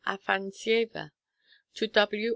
Afanásieva; to W.